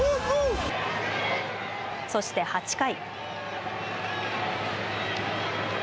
そして８回。